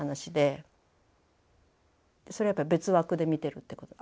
それはやっぱ別枠で見てるってこと。